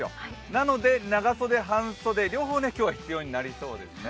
なので長袖、半袖、両方、今日は必要になりそうですね。